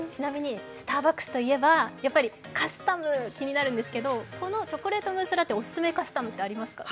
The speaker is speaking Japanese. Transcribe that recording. スターバックスといえばカスタム、気になるんですけれども、このチョコレートムースラテ、お勧めのカスタムってありますか？